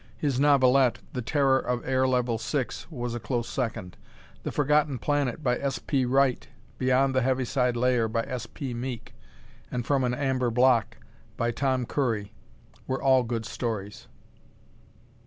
His novelette, "The Terror of Air Level Six," was a close second. "The Forgotten Planet," by S. P. Wright, "Beyond the Heaviside Layer," by S. P. Meek and "From an Amber Block," by Tom Curry were all good stories.